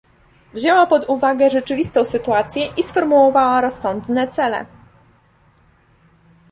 Wzięła pod uwagę rzeczywistą sytuację i sformułowała rozsądne cele